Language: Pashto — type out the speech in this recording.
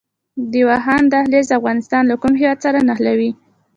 د واخان دهلیز افغانستان له کوم هیواد سره نښلوي؟